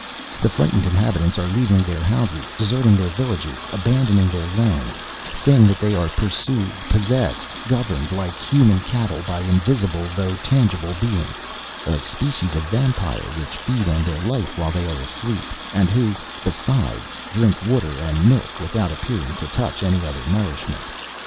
The frightened inhabitants are leaving their houses, deserting their villages, abandoning their land, saying that they are pursued, possessed, governed like human cattle by invisible, though tangible beings, a species of vampire, which feed on their life while they are asleep, and who, besides, drink water and milk without appearing to touch any other nourishment.